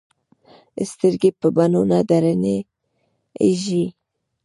سترګې په بڼو نه درنې ايږي